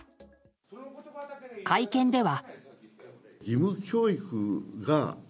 会見では。